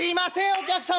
お客様